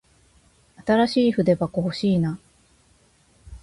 新しい筆箱欲しいな。